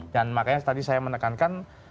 dan makanya tadi saya menekankan